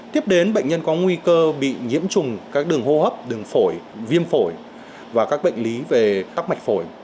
tiếp đến bệnh nhân có nguy cơ bị nhiễm trùng các đường hô hấp đường phổi viêm phổi và các bệnh lý về tắc mạch phổi